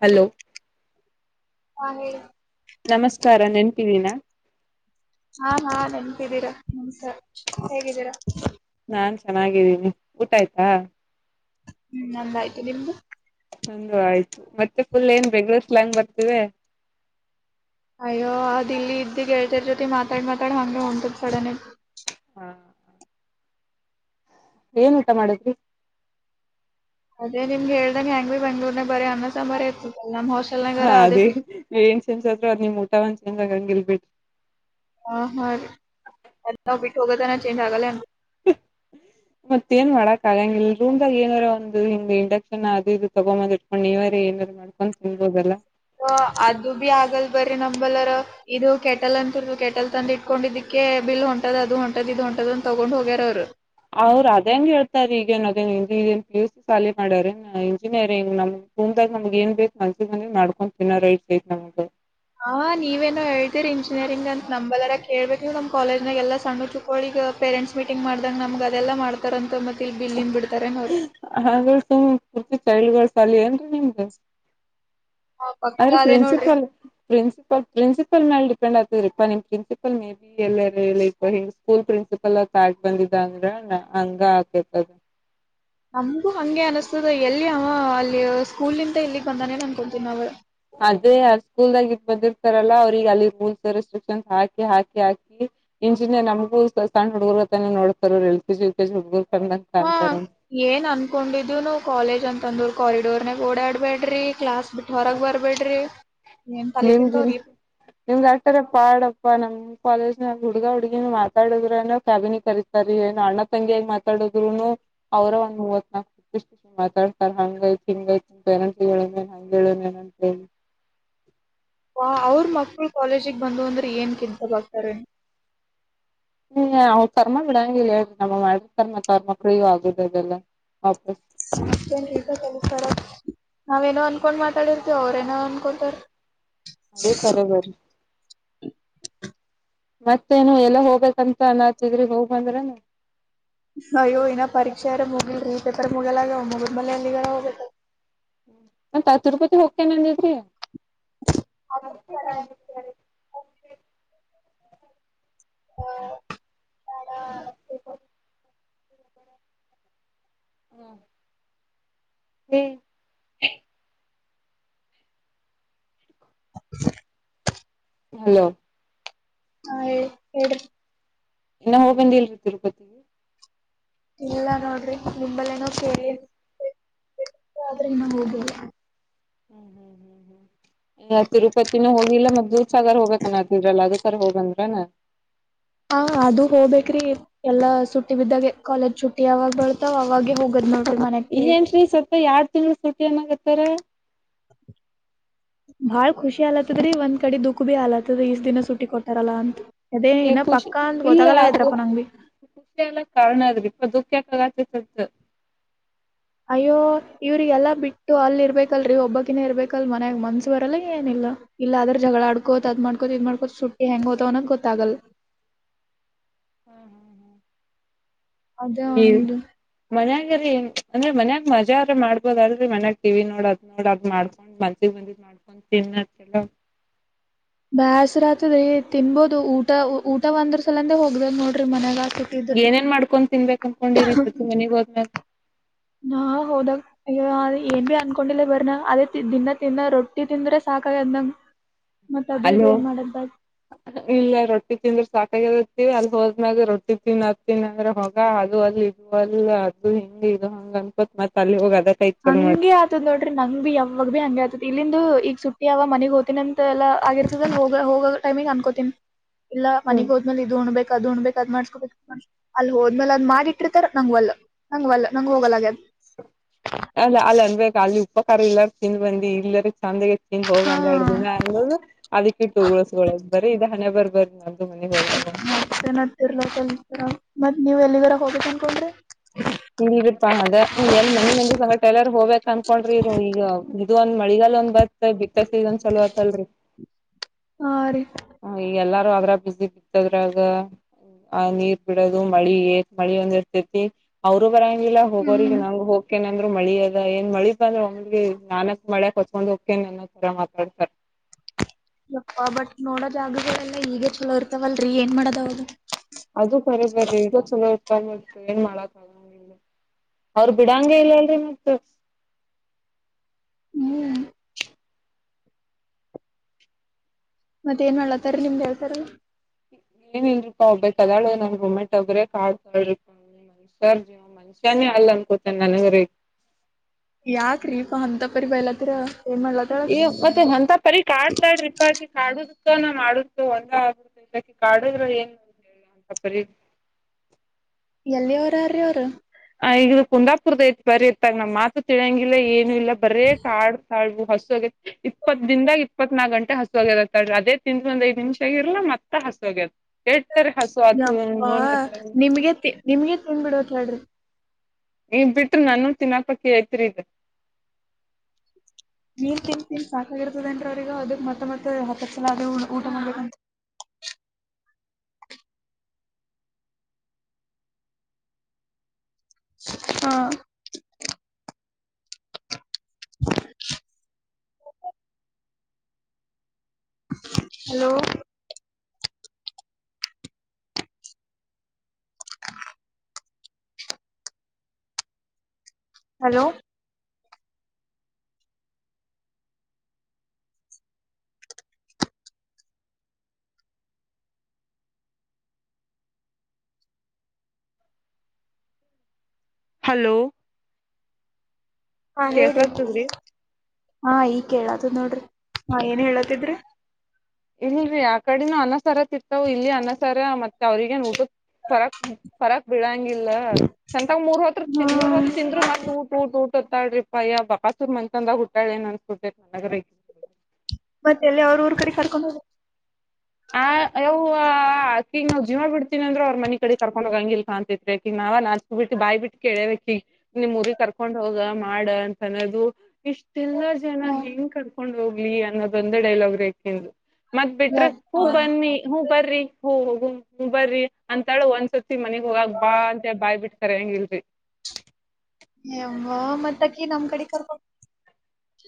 Hello ಹ ಹೇಳ್ ನಮಸ್ಕಾರ ನೆನ್ಪಿದೀನ? ಹಾ ಹಾ ನೆನ್ಪಿದ್ದೀರಾ ನಮಸ್ಕರ ಹೇಗಿದ್ದೀರಾ? ನಾನ್ ಚೆನ್ನಾಗಿದ್ದೀನಿ ಊಟ ಆಯ್ತಾ? ಹ್ಮ್ ನಂದಾಯ್ತು ನಿಮ್ದು ನಂದು ಆಯ್ತು ಮತ್ತೆ ಫುಲ್ ಏನ್ ಬೆಂಗ್ಳೂರ್ ಸ್ಲಾಂಗ್ ಬರ್ತಿವೆ. ಅಯ್ಯೋ ಅದಿಲ್ಲಿ ಇದ್ ಗೆಳ್ತರ್ ಜೊತೆ ಮಾತಾಡ್ ಮಾತಾಡ್ ಹಂಗ ಹೊಂಟದ್ ಸಡನ್ನಾಗ್ ಹ ಏನ್ ಊಟ ಮಾಡುದ್ರಿ? ಅದೇ ನಿಮ್ಗೆ ಹೇಳ್ದಂಗ್ ಹೆಂಗ್ರಿ ಬೆಂಗ್ಳೂರ್ನಾಗ ಬರರಿ ಅನ್ನ ಸಂಬಾರೆ ಇರ್ತದ್ ಹಾ ಅದೇ ನೀ ಏನ್ ಚೇಂಜ್ ಆದ್ರು ಅದು ನಿಮ್ ಊಟ ಒಂದ್ ಚೇಂಜ್ ಆಗಂಗಿಲ್ ಬಿಡ್ ಹ ಹಾ ರೀ ಎಲ್ಲ ಬಿಟ್ಟ ಹೋಗತನ ಚೇಂಜ್ ಆಗಲ್ಲ ಆನ್ ಮತ್ತ ಏನ್ ಮಾಡಕ್ ಆಗಂಗ ಇಲ್ ರೂಮ್ದಾಗ ಏನಾರ ಒಂದು ಹಿಂಗ್ ಇಂಡಕ್ಷನ್ ಅದು ಇದು ತಗೊಬಂದ್ ಇಟ್ಕೊಂಡು ನೀವಾರಿ ಏನಾರ ಮಾಡ್ಕೊಂಡು ತಿನ್ಬೋದಲ್ಲ. ಹ ಅದು ಬಿ ಆಗಲ್ ಬರ್ರಿ ನಂಬಲ್ಲಾರ ಇದು ಕೆಟಲ್ ಅಂತಿರ್ ರು ಕೆಟಲ್ ತಂದ ಇಟ್ಕೊಂಡಿದಕ್ಕೆ ಬಿಲ್ ಹೊಂಟ ಅದು ಹೊಂಟದ್ ಇದು ಹೊಂಟದ್ ಅಂತ್ ತೊಗೊಂಡ್ ಹೋಗ್ಯಾರ ಅವ್ರು. ಅವ್ರ ಅದೇಂಗೆ ಹೇಳ್ತಾರ್ ಈಗೇನ್ ಅದೇನ್ನ್ [unintelligible] ಪಿ ಯು ಸಿ ಸಾಲಿ ಮಾಡ್ಯಾರ ಏನು ಇಂಜಿನಿಯರಿಂಗ್ ನಮ್ ಮುಂದಾಗ ನಮ್ಗ ಏನ್ ಬೆಕ್ ಮನ್ಸಿಗ್ ಬಂದಿದ್ ಮಾಡ್ಕೊ ತಿನ್ನೋ ರೈಟ್ಸ್ ಐತ್ ನಮಗ ಹಾ ನೀವೇನೋ ಹೇಳ್ತಿರಿ ಇಂಜಿನಿಯರಿಂಗ್ ಅಂತ ನಂಬಲ್ಲಾರ ಕೇಳ್ಬೇಕು ನೀವು ನಮ್ ಕಾಲೇಜ್ನಾಗ ಎಲ್ಲ ಸಣ್ಣ ಚುಕ್ಕಳಿಗ ಪೇರೆಂಟ್ಸ್ ಮೀಟಿಂಗ್ ಮಾಡ್ದಾಂಗ ನಮ್ಗ ಅದೆಲ್ಲ ಮಾಡ್ತಾರಂತ ಮ ಹ್ ಹ್ [unintelligible] ತಳಿಗಳ್ ಸಾಲಿ ಏನ್ರೀ ನಿಮ್ದು. ಹಾ ಪಕ್ಕಾ ಅವ್ರು ಅದೇ ನೋಡ್ರಿ ಪ್ರಿನ್ಸಿಪಾಲ್ ಪ್ರಿನ್ಸಿಪಲ್ ಪ್ರಿನ್ಸಿಪಲ್ ಮೇಲ್ ಡಿಪೆಂಡ್ ಆಗ್ತದರಿಪ ನಿಮ್ ಪ್ರಿನ್ಸಿಪಲ್ ಮೇ ಬಿ ಎಲ್ಲರೆ ಇ ಹ್ ಸ್ಕೂಲ್ ಪ್ರಿನ್ಸಿಪಲ್ ಆಗ ದಾಟ್ ಬಂದಿದ್ದ ಅಂದ್ರ ಹಂಗ ಆಗ್ತೇ ಅ ನಮಗು ಹಂಗೆ ಅನಿಸ್ತದ ಯಲ್ಲಿ ಅವ ಅಲ್ಲಿ ಸ್ಕೂಲ್ ನಿಂದ ಇಲ್ಲಿಗ್ ಬಂದಾನೆನ್ ಅನ್ಕೊಂತೀವ್ ನಾವ. ಅದೇ ಆ ಸ್ಕೂಲ್ದಾಗ ಇದ್ ಬಂದಿರ್ತಾರಲ್ಲ ಅವ್ರಗ ಅಲ್ಲಿ ರೂಲ್ಸ್ ರೆಸ್ಟ್ರಿಕ್ಷನ್ಸ್ ಹಾಕಿ ಹಾಕಿ ಹಾಕಿ ಇಂಜಿನಿಯರ್ ನಮಗೂ ಸಣ್ ಹುಡುಗರು ಅತನೆ ನೋಡ್ತಾರೆ ಅವರು L K G U K G ಹುಡ್ಗರು ಹಾ ಏನ್ ಅನ್ಕೊಂಡಿದ್ರುನು ಕಾಲೇಜ್ ಅಂತಂದ್ರು ಕಾರಿಡೋರ್ ನ್ಯಾಗ ಓಡಾಡ್ಬೇ ಡ್ರಿ ಕ್ಲಾಸ್ ಬಿಟ್ಟು ಹೊರಗ್ ಬರ್ಬೇಡ್ರಿ ಏನ್ ತಲಿ ನಿಮಗೆ ತಿಂತಾವ್ರಿ ನಿಮ್ಗೆ ಅಟ್ಟರ ಪಾಡಪ್ಪ ನಮ್ ಕಾಲೇಜ್ನಗ್ ಹುಡ್ಗ ಹುಡ್ಗಿನು ಮಾತಾಡಿದ್ರೇನು ಕ್ಯಾಬಿನಿ ಕರೀತಾರ ಏನ ಅಣ್ಣ ತಂಗಿಯಾಗಿ ಮಾತಾಡುದ್ರುನು ಅವರಂದ ಮೂವತ್ ನಕ್ ಮಾತಾಡ್ತಾರೆ ಹಂಗ ಐತ್ ಹಿಂಗ್ ಐತಿ ಪೇರೆಂಟ್ಸ್ ಹೇಳನ್ ಹಂಗ ಹೇಳೋನಂತ ಹೇಳಿ. ಹಾ ಅವ್ರ ಮಕ್ಕಳ ಕಾಲೇಜಿಗೆ ಬಂದು ಅಂದ್ರೆ ಏನ್ ಕಿತ್ ದಬ್ಬಕ್ತಾರೆ. ನೀವು ಕರ್ಮ ಬಿಡಂಗ ಇಲ್ ಹೇಳಿ ನಮಿಗ್ ಮಾಡಿದ್ ಕರ್ಮ [unintelligible] ಆಗುದು ಅದೆಲ್ಲ ವಾಪ ಮಷ್ಟೇನ್ ಹೇಳ್ತಾ ಕೆಲಸ್ತಾರ ನಾವೇನೋ ಅನ್ಕೊಂಡ್ ಮಾತಾಡಿರ್ತೀವ ಅವ್ರೇನೋ ಅನ್ಕೊತಾರ. ಅದು ಕರೆ ಬರಿ. ಮತ್ತೇನು ಎಲ್ಲ ಹೋಗ್ಬೇಕಂತ ಅನಾತಿದ್ರಿ ಹೋಗ್ ಬಂದ್ರೇನು? ಅಯ್ಯೋ ಇನ್ನ ಪರೀಕ್ಷೆ ಇರ ಮುಗಿಲ್ರಿ. ಪೇಪರ್ ಮುಗಿಯಲ್ಲಾಗ್ಯಾವ್ ಮುಗಿದ್ ಮೇಲೆ ಎಲ್ಲಿಗಾರ ಹೋಬೇಕ ಮತ್ತ್ ನಾ ತಿರುಪತಿ ಹೋಗ್ತೇನ್ ಅಂದಿದ್ರಿ ಹಾ [unintelligible] ಹಾ ಅಡ ಹ್ಮ [unintelligible] [inaudible] ಹಲೋ ಹಾ ಹೇಳಿ ಹೇಳ್ರಿ ಇನ್ನ ಹೋಗ್ಬಂದಿಲ್ರಿ ತಿರುಪತಿಗೆ. ಇಲ್ಲ ನೋಡ್ರಿ ನಿಂಬಲ್ಲೇನೂ ಸೇರಿ ಆದ್ರೆ ಇನ್ನ ಹೋಗಿಲ್ರಿ. ಹ್ಮ್ ಹ್ಮ್ ಹ್ಮ್ ಹ್ಮ್ ಈಗ ತಿರುಪತಿನೂ ಹೋಗಿಲ್ಲ ಮತ್ತ ದೂದಸಾಗರ್ ಹೋಬೇಕನತಿದ್ರಲ್ಲ ಅದಕರ ಹೋಬಂದ್ರೇನ. ಹಾ ಅದು ಹೋಬೇಕ್ರಿ ಎಲ್ಲಾ ಸುಟ್ಟಿ ಬಿದ್ದಾಗೆ ಕಾಲೇಜ್ ಚುಟ್ಟಿ ಯಾವಾಗ್ ಬರುತ್ತೆ ಅವಾಗೆ ಹೋಗದ್ ನೋಡ್. ಇಲ್ಲೇನ್ರಿ ಸತ್ಯ ಯಾ ಯಡ್ ತಿಂಗಳು ಸುಟ್ಟಿ ಅನ್ನಕತ್ತಾರ. ಬಾಳ್ ಖುಷಿ ಅಲತ್ತದ್ರಿ ಒಂದ್ ಕಡೆ ದುಕ್ ಕ್ಕ್ ಬಿ ಅಲತ್ತದ ಈಷ್ಟ್ ದಿನ ಸುಟ್ಟಿ ಕೊಟ್ಟಾರಲ್ಲಾ ಅಂತ್ ಈ ಖುಷಿ ಇಲ್ಲ ಆಕ ನಂಗ್ ಬಿ ಖುಷಿ ಎಲ್ಲ ಕಾರಣ ಆದ್ [unintelligible] [unintelligible] ಅಯ್ಯೋ ಇವ್ರಿಗೆಲ್ಲಾ ಬಿಟ್ಟು ಅಲ್ಲಿ ಇರ್ಬೇಕಲ್ರಿ ಒಬ್ಬಾಕಿನೇ ಇರ್ಬೇಕಲ್ ಮನ್ಯಾಗ ಮನ್ಸು ಬರಲ್ಲ ಏನಿಲ್ಲಾ ಇಲ್ಲ ಅದ್ರ ಜಗಳ ಆಡ್ಕೋತ ಅದ್ ಮಾಡ್ಕೊತ ಇದ್ ಮಾಡ್ಕೋತ ಸುಟ್ಟಿ ಹೆಂಗ್ ಹೋತವನ್ನದ್ ಗೊತ್ತಾಗಲ್ ಹ್ಮ್ ಹ್ಮ್ ಹ್ಮ್ ಅದೇ ಒಂದು ಮನ್ಯಾಗರಿ ಅಂದ್ರೆ ಮನ್ಯಾಗ ಮಜಾ ಅರ ಮಾಡ್ಬೋದಲ್ರಿ ಮನ್ಯಾಗ ಟಿವಿ ನೋಡ್ ಅದ್ ನೋಡ್ ಅದ್ ಮಾಡ್ಕೊಂಡ್ ಮನ್ಸಿಗ್ ಬಂದಿದ್ ಮಾಡ್ಕೊಂಡ್ ತಿನ್ನದ್ ಕೆಲ ಬ್ಯಾಸ್ರಾತದ್ರಿ ತಿನ್ಬೋದು ಊಟ ಊಟ ಒಂದ್ರ ಸಲಂದೆ ಹೋಗ್ದದ ನೋಡ್ರಿ ಮನ್ಯಾಗ. ಸುಟ್ಟಿದ್ದು. ಏನೇನ್ ಮಾಡ್ಕೊಂಡ್ ತಿನ್ಬೇಕ್ ಕನ್ಕೊಂಡಿರ [unintelligible] ಮನೆಗೆ ಹೋದಾಗ್ ನಾ ಹೋದಾಗ್ ಅಯ್ಯೋ ಏನ್ ಅವಿ ಅನ್ಕೊಂಡಿಲ್ಲ ಬರನ ಅದೇ ದಿನ ತಿನ್ನ ರೊಟ್ಟಿ ತಿಂದ್ರೆ ಸಾಕಾಗ್ಯದ್ ನಮ್ ಅಲೋ ಇಲ್ಲ ರೊಟ್ಟಿ ತಿಂದ್ರ ಸಾಕ್ ಗವಿ ಅಲ್ಲಿ ಹೋದ್ಮ್ಯಾಗ ರೊಟ್ಟಿ ತಿನ್ ಅದ್ ತಿನ್ನಂದ್ರೆ ಹೋಗ ಅದು ಅಲ್ಲಿ ಇದು ಅಲ್ ಅದು ಹಿಂಗ ಇದು ಹಂಗ ಅನ್ಕೋತ್ ಮತ್ತ ಅಲ್ಲಿ ಹೋಗ ಅ ಹಂಗೆ ಆತದ್ ನೋಡ್ರಿ ನಂಗ್ ಬಿ ಯಾವಾಗ ಬಿ ಹಂಗೆ ಆತದ್ ಇಲ್ಲಿಂದು ಈಗ ಸುಟ್ಟಿ ಅವ ಮನೆಗ್ ಹೋತಿನಿ ಅಂತೆ ಎಲ್ಲಾ ಆಗಿರ್ತದ ಹೋಗ ಹೋಗ ಟೈಮಿಗ್ ಅನ್ಕೋತಿನ್ ಇಲ್ಲ ಮನೆಗ್ ಹೋದ್ಮೆಲೆ ಇದು ಉಣ್ಬೇ ಅದ್ ಉಣ್ಬೇಕ್ ಅದ್ ಮಾಡ್ಸ್ಕೋಬೇಕ್ ಅಲ್ಲಿ ಹೋದ್ಮೇಲೆ ಅದ್ ಮಾಡಿಟ್ಟಿರ್ತಾರ ನಂಗ್ವಲ್ಲ ನಂಗ್ವಲ್ಲ ನಂಗ ಹೋಗಲ್ ಆಗ್ಯದ್ ಅಲ್ಲ ಅಲ್ಲಿ ಅನ್ಬೇಕ ಅಲ್ಲಿ ಉಪ್ಪ ಕಾರ ಎಲ್ಲಾರು ತಿಂದ ಬಂದಿ ಇಲ್ಲರ ತಂದೆಗೆ ತಿಂದ್ ಹೋಗ ಹಾ ಒಂದೆರಡು ದಿನ ಅನ್ನೊದು ಅದಿಕ್ಕಿಟ್ಟು ಉಗುಳಿಸ್ ಕೊಳ್ಳೋದ್ ಬರೀ ಇದ ಹಣೇಬರ್ ಬರ್ದ್ [unintelligible] ಮತ್ತಏನ ಹತ್ತರ್ಲ [unintelligible] ಮತ್ ನೀವ್ ಎಲ್ಲಿವರ ಹೋಗಬೇಕ್ ಅನ್ಕೊಂಡ್ರಿ. ಇ ಇಪಾ ಅದ ಎಲ್ಲಿ ಮನಿ ಮಂದಿ ಸಂಗ ಟೈಲರ್ ಹೋಗ್ಬೇಕಕ್ ಅನ್ಕೊಂಡ್ರಿ ಇ ಈಗ ಇದು ಒಂದ್ ಮಳಿಗಾಲ ಒಂದ್ ಬರ್ ಬಿತ ಸೀಸನ್ ಚಲೋ ಆತಲ್ರಿ ಹಾ ರೀ ಈ ಎಲ್ಲಾ ಅ್ರ ಬಿಸಿ ಬಿತ್ತದ್ರಾಗ ಆ ನೀರ್ ಬಿಡೋದು ಮಳಿ ಮಳಿ ಒಂದ ಇರ್ತತಿ ಅವರು ಬರಂಗಿಲ್ಲ ಹೋಗಿರಿ ಹ್ಮ್ ನಾ ಹೋಗಕೆ ನ ಮಳಿ ಅದ ಏನ್ ಮಳಿ ಬಂದ್ರ ನಾಲಕ್ ಮಳ್ಯಕ್ ಹೊತ್ಕೊಂಡ್ ಕೆನ್ನ ತರ ಮಾತಾಡ್ತಾರ. ಯಪ್ಪ ಬಟ್ ನೋಡೋದ ಆಾಗೆಲ್ಲ ಈಗ ಚಲೋ ಇರ್ತವಲ್ರರಿ ಏನ್ ಮಾಡೋದ ಅವಾಗ. ಅದು ಬರಿ ಬರಿ ಈಗ ಚಲೋ ಏನ್ ಮಾಡಕ್ ಆಂಗ ಅವ್ರು ಬಿಡಂಗ ಇಲ್ಲ ಅಲ್ರರಿ ಮತ್ತ. ಹ್ಮ್ ಮತ್ತೆ ಏನ್ ಮಾಡ್ಲತಾರ ನಿಮ್ದ ಹೇಳ್ತಾರ ಏನಲ್ರಿಪಾ ಒಬ್ಬಬೇಕಕ್ ಕದಾಳು ನನ್ ಗೊಮ್ಮೆಟ್ಟ ಒಬ್ರೇ ಕಾಳ್ ಕಾಳಿಪ ಮನುಷ್ಯರ್ ಜೀವ ಮನ್ಷ್ಯಾನೇ ಅಲ್ಲ ಅನ್ಕೋತನ್ ನನಗ್ರ ಯಾಕ್ರೀ ಪ ಅಂತ ಪರಿ ಬಯಲತ್ತರ ಏ ಮತ್ತೆ ಅಂತ ಪರಿ ಕಾಡ್ತಾಡ್ರಿಪ್ಪಾ ಕಾಡುದಕ್ಕ ನ ಆಡುತ್ತು ಒಂದ ಆಗ್ ಇಕ ಕಾಡುದ್ರ ಏನು ಅಂತ ಹೇಳ ಅಂತ ಪರ ಎಲ್ಲಿ ಅವರರೀ ಅವರು. ಆ ಇದು ಕುಂದಾಪುರ್ದ ಐತ್ ಬರಿ ಇಐತ್ತಾಗ ನಮ್ ಮಾತು ತಿಳಿಯಂಗಿಲ್ಲ ಏನು ಇಲ್ಲ ಬರೇ ಕಾಡ್ ಕಾಳವು ಹಸ್ ಇಪ್ಪತ್ತ್ ದಿನದಾಗ್ ಇಪ್ಪತ್ನಾಕ್ ಗಂಟೆ ಹಸ ಹೋಗಿತ್ತರಿ ಅದೇ ತಿಂದ್ ಒಂದ ಐದು ನಿಮಿಷ ಆಗಿರಲ್ಲ ಮತ್ತ ಹಸ್ವಾಗತ್ ಯಪ್ಪಾ ಆತು ನಿಮಗೆ ನಿಮ್ಗೆ ತಿನ್ ಬಿಡೋಕ್ ಹೇಳ್ರಿ. ನೀ ಬಿಟ್ರ ನನ್ನು ತಿನಾಪಕಿ ಐತ್ರಿ ಇದ್ ನೀನ್ ತಿಂದ ತಿನ್ ಸಾಕಾಗಿರ್ತದೇನ್ರಿ ಅವ್ರಿಗ ಅದಕ್ ಮತ್ತೆ ಮತ್ತೆ ಹತ್ತತ್ಸಲ ಆದೆ ಊಟ ಮಾಡ್ಬೇಕಂತ್ ಹಾ ಹಲೋ ಹಲೋ ಹಲೋ ಹಾ ಹೇಳ್ರಿ ಕೇಸತದ್ರಿ ಹಾ ಈ ಕೇಳಾತ್ ನೋಡ್ರಿ ಹಾ ಏನ್ ಹೇಳತಿದ್ರಿ? ಇಲ್ರಿ ಆ ಕಡೆನು ಅನ್ನ ಸರ ತಿಂತಾವು ಇಲ್ಲಿ ಅನ್ನ ಸಾರೆ ಮತ್ತೆ ಅವ್ರಗೇನ ಉಟುಕ್ ಫರಕ್ ಫರಾಕ್ ಬೀಳ ಗಿಲ್ಲ ಸಂತಂಗ ಮೂರ್ ಹೊತ್ರ ಮೂರ್ ಹ್ಮ್ ಹೊತ್ ತಿಂದ್ರು ಮತ್ ಊಟ್ ಊಟ್ ಊಟ್ ತೊತ್ತಾಳ್ರಿ ಪಯ್ಯ ಬಕಾಸೂರ್ ಮನ್ತನ್ದಾಗ್ ಹುಟ್ಟಾಳ ಏನ್ ಅನ್ಸುತ್ತೆ ನನಗರಿ. ಮತ್ತೆ ಎಲ್ಲಿ ಅವ್ರ ಊರ್ ಕಡೆ ಕರ್ಕೊಂಡ್ ಹೋದೆ. ಆ ಯವ್ವ ಆಕಿಗ್ ನಾವ್ ಜೀವಾ ಬಿಡ್ತೀ ಅಂದ್ರರು ಅವ್ರ್ ಮನಿ ಕಡಿ ಕರ್ಕೊಂಡ್ ಹೋಗ ಹಂಗಿಲ್ ಕಾಣ್ತತ್ರಿ ಅಕಿ ನಾವ ನಾಚ್ಕ ಬಿಟ್ಟಿ ಬಾಯ್ ಬಿಟ್ಟ ಕೇಳಿವ್ ಅಕಿಗ್ ನಿಮ್ ಊರಿಗ್ ಕರ್ಕೊಂಡ್ ಹೋಗ ಮಾಡ ಅಂತ ಅನ್ನೋದು ಇಷ್ಟ ಇಲ್ಲ ಜನ ಹೋಗ ಹೆಂಗ್ ಕರ್ಕೊಂಡ್ ಹೋಗ್ ಲಿ ಅನ್ನೋದೊಂದೇ ಡೈಲಾಗ್ ರೀ ಅಕಿಂದು. ಮತ್ ಬಿಟ್ರ ಹೂ ಯಪ್ಪಾ ಬನ್ನಿ ಹೂ ಬರ್ರಿ ಹ ಹೋಗೋಣ ಬರ್ರಿ ಅಂತಾಳು ಒಂದ್ಸತ್ ಮನೆಗ್ ಹೋಗಾಗ ಬಾ ಅಂತ ಬಾಯ್ ಬಿಡ್ತಾರೆ ಹೆಂಗಿಲ್ಲ. [inaudible] ಹ ಮ್ಮ ಮತ್ತಕಿ ನಮ್ ಕಡೆ ಕರ್ಕೊಂಡು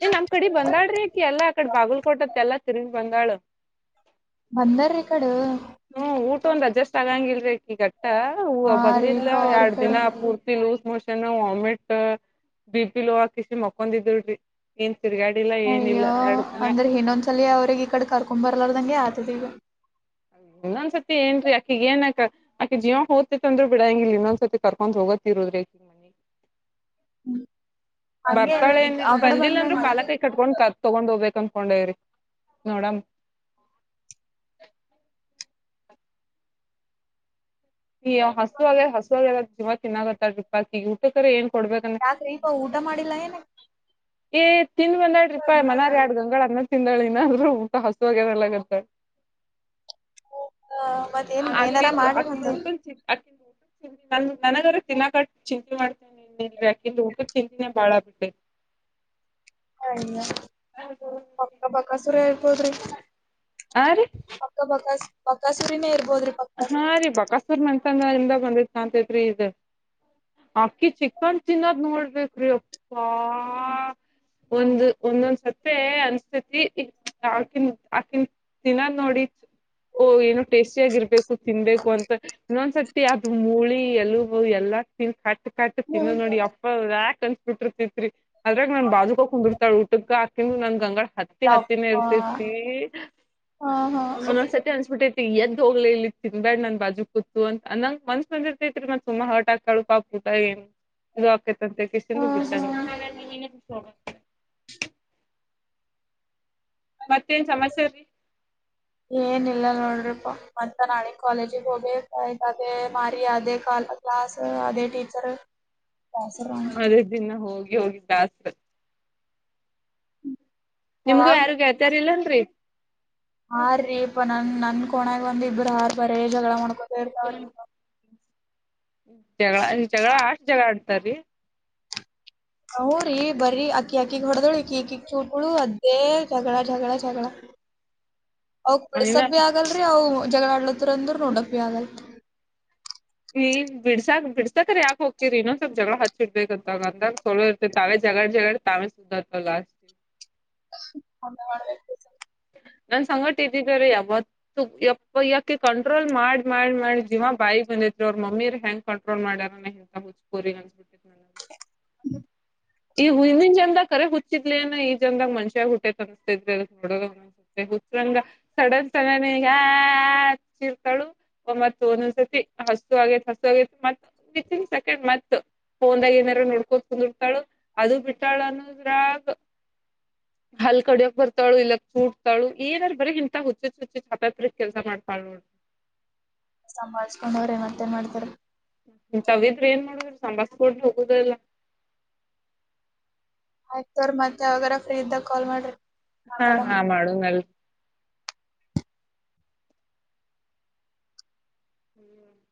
ಏ ನಮ್ ಕಡೆ ಬಂದಾಳ್ರಿಕಿ ಎಲ್ಲ ಆ ಕಡೆ ಬಾಗಲ್ಕೋಟತ್ತ ಎಲ್ಲಾ ತಿರುಗಿ ಬಂದಾಳ ಬಂದಾರ ಇ ಕಡ ಒಂದು ಅಡ್ಜೆಸ್ಟ್ ಆಗಂಗಿಲ್ರಿ. ಈಗಟ್ಟ ಹೂ ಹಾ ಬಂದಿದ್ಲ ರೀಪಾ ಅವ್ರ ಎರಡ್ ಕಡೆ ದಿನ ಪೂರ್ತಿ ಲೂಸ್ ಮೊಶೇನ್. ಚನ ವಾಮಿಟ್ ಬಿಪಿ ಲೋ ಹಾಕ್ಯಾಸಿ ಮಕ್ಕೊಂಡಿದ್ಲು ರೀ. ಎನ್. ಅಯ್ಯೋ ಅಂದ್ರೆ ಇನ್ನೊಂದ್ಸಲ ಅವ್ರಗ್ ಈ ಕಡೆ ಕರ್ಕೊಂಡ್ ಬರ್ಲಾರದಂಗೆ ಆತ ಇದೀಗ. ಇನ್ನೊಂದ್ಸರ್ತಿ ಏನ್ರೀ ಅಕಿಗ್ ಏನ್ಯಾಕ ಆಕಿ ಜೀವ ಹೋಗ್ತಿತ್ ಅಂದ್ರರು ಬಿಡಹಂಗಿಲ್ಲಿ ಇನ್ನೊಂದ್ಸರ್ತಿ ಕರ್ಕೊಂಡು ಹೋಗತಿರೋದ್ರಿ ಹಂಗೆ ಈಗ ಬರ್ತಾಳೆನ ಆ ಕಡೆ ಬಂದಿಲ್ಲ ಅಂದ್ರು ಬಂದಂಗ ಕಾಲ ಕೈ ಕಟ್ಕೊಂಡ್ ಕ ತಗೊಂಡ್ ಹೋಗ್ಬೇಕನ್ ಕೋಂಡೇವ್ರಿ ನೋಡಮ್ ಏಯ್ ಹಸುವಾಗ್ಯಾದ ಹಸುವಾಗ್ಯಾದಂತ ಜೀವ ತಿನ್ನಾಕತ್ಯಾಳರಿಪ್ಪ ಆಕಿಗಿ ಊಟಕ್ರ ಏನ್ ಕೊಡ್ಬೇಕನು ಯಾಕ್ರೀಪಾ ಊಟ ಮಾಡಿಲ್ಲ ಏನ ಏ ತಿಂದಬಂದಾಳ ರಿಪ ಮನಾರ್ ಆ್ಯಡ್ ಗಂಗಾಳ ಅನ್ನ ತಿಂದಾಳ ಇನ್ನಾದ್ರು ಊಟ ಹಸುವಾಗದಲಾಗ್ಯತ. [unintelligible] ಮತ್ತೇನ್ ಏನಾರ ಮಾಡ್ರಿ ಮತ್ತ. ನ ನನಗರ ತಿನ್ನಾಕಟ್ಟ ಚಿಂತೆ ಮಾಡ್ತೇನ್ರಿ ಇಲ್ ಆಕಿಂದು ಊಟದ ಚಿಂತಿನೇ ಬಾಳ ಆಗಿ ಬಿಟ್ಟೆತ್. ಹಯ್ಯ ಪಕ್ಕ ಬಕಾಸುರೆ ನೊಡ್ರಿ ಹಾ ರೀ ಪಕ್ಕ ಬಕಾಸು ಬಕಾಸುರಿನೇ ಇರ್ ಹಾ ರೀ ಬಕಾಸೂರ್ ಮನೆತನದಿಂದ ಬಂದಿದ್ ಕಾಣ್ತೈತ್ರಿ ಇದು ಆಕಿ ಚಿಕನ್ ತಿನ್ನದ್ ನೋಡಬೇಕ್ರಿ ಎಪ್ಪಾ ಒಂದು ಒಂದೊಂದು ಸತಿ ಅನ್ಸತೈತಿ ಅಕಿನ್ ಅಕಿ ತಿನ್ನೋದ್ ನೋಡಿ ಒ ಏನೋ ಟೇಸ್ಟಿ ಆಗಿರ್ಬೇ ತಿನ್ಬೇಕು ಅಂತ ಇನ್ನೊಂದ್ಸತಿ ಅದು ಮೂಳಿ ಎಲಬು ಎಲ್ಲಾ ತಿನ್ [unintelligible] ಕಟ್ ತಿನ್ನೋದ್ ನೋಡಿ ಎಪ್ಪ ವ್ಯಾಕ್ ಕನ್ಸ್ ಬಿಟ್ಟಿರ್ತಿತ್ರಿ ಅದ್ರಾಗ ನನ್ ಬಾಜೂಕ ಕುಂದಿರ್ತಾಳ ಊಟಕ್ಕ ಹಾಕಿಂದ್ ನನ್ ಗಂಗಳ ಹತ್ತಿ ಹತ್ತಿನ ಯಪ್ಪಾ ಹಾ ಇರ್ತೈತಿ ಹಾ ಒಂದೊದ್ಸತಿ ಹಾ ಅನ್ಸ್ಬಿಟ್ಟೈ ಇ ಎದ್ದ ಹೋಗ್ಲೆ ಇಲ್ಲಿ ತಿನಬ್ಯಾಡ್ ನನ್ ಬಾಜು ಕೂತ್ತು ಅಂತ ಅನ್ನಂಗ ಮನ್ಸ್ ಬಂದಿರ್ತೈತ್ರಿ ಮತ್ತ್ ಸುಮಾ ಹರ್ಟ್ ಆಗ್ತಾಳು ಪಾಪ ಊಟ ಏನ್ ಇದು ಆಕ್ಯತಂತ್ ಕ್ಯಾಸಿಂದ್ ಹಾ ಬಿಟ್ಟನಿ. ಮತ್ತೇನ್ ಸಮಾಚಾರೀ ಏನ ಇಲ್ಲ ನೋಡ್ರಿಪ ಮತ್ ನಾಳೀ ಕಾಲೇಜಗಿ ಹೋಬೇಕ್ ಅದೆ ಮಾರಿ ಆದೆ ಕ್ಲಾಸ್ ಆದೆ ಟೀಚರ್ ಕ್ಲಾಸರ್ ಅದೇ ದಿನ ಹೋಗ್ ಗೆ ಹೋಗಿದಾಸ್ತ್ ನಿಮ್ಗೂ ಯಾರುಗ್ [unintelligible] ಇಲ್ಲನ್ರಿ? ಹಾರಿ ಪ್ಪ ನನ್ ನನ್ ಕೋಣ್ಯಾಗ ಒಂದ ಇಬ್ಬರು ಹಾರ್ ಬರೆ ಜಗಳ ಮಾಡ್ಕೊ [unintelligible] ಜಗಳ ಜಗಳ ಆಷ್ಟ್ ಜಗಳಾಡ್ ತರಿ ಹೂ ರೀ ಬರಿ ಅಕಿ ಆಕ್ಕಿಗ್ ಹೊಡ್ದಳ ಇಕಿ ಈಕಿಗ್ ಚೂಟ್ ಗಳು ಅದೇ ಜಗಳ ಜಗಳ ಜ [unintelligible] ಅವಕ್ ಇನ್ನ ಬಿಡ್ಸಾಕ್ ಬೀ ಆಗ್ಲರಿ ಜಗಳಾಳ್ಳತ್ರರ ನೋಡಕ್ ಬಿ ಆಗಲ್ಲ ನೀ ಬಿಡಸಾ ಬಿಡ್ಸಾಕರ್ ಯಕೆ ಹೋಗಕಿರಿ ಇನ್ನೊ ಸ್ವಲ್ಪ್ ಜಗಳ ಹಚ್ಚಿಡ್ಬೇಕಂತ ಅಂದಾಗ ಸೋಲೋ ಇರ್ತಿ ತಾವೇ ಜಗಳ ಜಗ ತಾವೇ ಸುದ್ದತಲ್ಲಾಸ್ತಿ ಲಾಸ್ಟ್ಗಿ [unintelligible] ನನ್ ಸಂಗಟ ಇದ್ದಿದ್ರ ಯಾವತ್ತು ಯಪ್ಪ್ಯಕಿ ಕಂಟ್ರೋಲ್ ಮಾಡಿ ಮಾಡಿ ಮಾಡಿ ಜೀಿವಾ ಬಾಯಿ ಬಂದಿದ ಅವ್ರ ಮಮ್ಮಿರ್ ಹೆಂಗ್ ಕಂಟ್ರೋಲ್ ಮಾಡ್ಯಾರ ಎಂತ ಹುಚ್ಕೋರಿ ಅನ್ಸ್ಬಿಟ್ಟತ್ ನನ ಈ ಹಮನ್ ಜನಂದ ಕರೆ ಹುಚ್ಚಿದ್ಲನ ಈ ಜಂದದಾಗ ಮನ್ಷ್ಯಾಗ ಹುಟ್ಟೇತ್ ಅನ್ಸ್ತಿದ್ರಿ ನಡ ಒಂದ ಹುಚ್ರಂಗ ಸಡನ್ ಸಡನ್ ಆಿರ್ತಾಳು ಮತ್ ಒಂದೊಂದ್ಸತಿ ಹಸು ಆಗೇತ್ ಹಸು ಆಗೇತಿ ಮತ್ ವಿತ್ನ್ ಸೆಕೆಂಡ್ ಮತ್ ಫೋನ್ದಾಗ ಏನಾರ ನೋಡ್ಕೋದ ಕುಂದಿರ್ತಾಳು ಅದು ಬಿಟ್ಟಾಳ ಅನ್ನೋದ್ರಾಗ ಹಲ್ ಕಡಿಯಕ್ ಬರ್ತಾಳು ಇಲ್ಲ ಏನಾರೂ ಬರಿ ಇಂತಾ ಹು [unintelligible] ಸಂಭಾಳ್ಸ್ಕೊಂಡ್ ಹೋಗ್ರಿ ಮತ್ತೇನ ಮಾಡ್ತಾರ ಇಂತ್ತವಿದ್ರರು ಏನ್ ಮಾಡುದ್ರ ಸಂಬಸ್ಕೋಡ್ ಹೋಗುದಲ್ಲ ಆಯ್ತವ್ರ ಮತ್ತೆ ಅವಗಾರ ಫ್ರೀ ಇದ್ದಾಗ ಕಾಲ್ ಮಾಡ್ರಿ ಹಾ ಮಾತಾಡಮ್. ಹಾ ಮಾಡು ನಲ್ [inaudible]